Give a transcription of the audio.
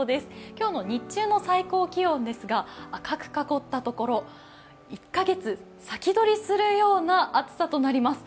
今日の日中の最高気温ですが赤く囲ったところ、１カ月先取りするような暑さとなります。